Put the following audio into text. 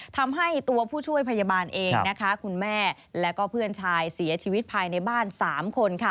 ทำให้ตัวผู้ช่วยพยาบาลเองนะคะคุณแม่แล้วก็เพื่อนชายเสียชีวิตภายในบ้าน๓คน